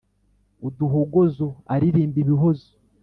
uduhogoza aririmba ibihozo